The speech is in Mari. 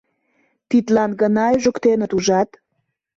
Тидлан гына ӱжыктеныт, ужат?